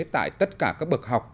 tại tất cả các bậc học